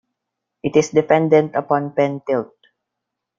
It is dependent upon pen tilt.